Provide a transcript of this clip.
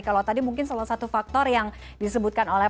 kalau tadi mungkin salah satu faktor yang disebutkan oleh